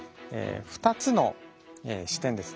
２つの視点ですね